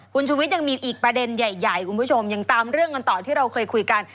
คุณชาววิทย์ยังมีอีกประเด็นใหญ่ยังตามเรื่องกันต่อที่เราเคยคุยกัน